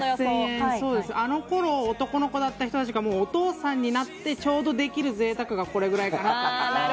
あの頃、男の子だった人たちが、お父さんになって、ちょうどできるぜいたくがこれくらいかなと。